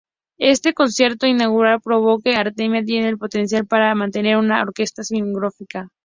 Este concierto inaugural probó que Armenia tenía el potencial para mantener una orquesta sinfónica.